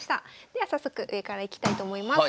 では早速上からいきたいと思います。